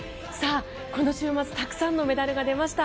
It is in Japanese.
この週末たくさんのメダルが出ました。